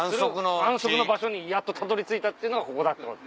安息の場所にやっとたどり着いたっていうのがここだってこと。